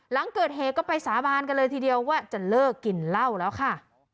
หลังเกิดเหตุก็ไปสาบานกันเลยทีเดียวว่าจะเลิกกินเหล้าแล้วค่ะ